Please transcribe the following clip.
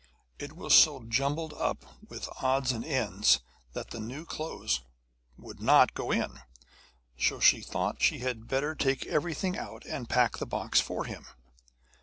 It was so jumbled up with odds and ends that the new clothes would not go in. So she thought she had better take everything out and pack the box for him.